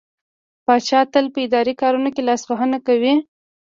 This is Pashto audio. پاچا تل په اداري کارونو کې لاسوهنه کوي.